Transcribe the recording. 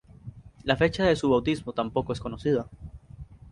La fecha de su bautismo tampoco es conocida.